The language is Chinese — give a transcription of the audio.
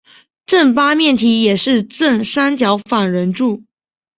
正八面体也是正三角反棱柱。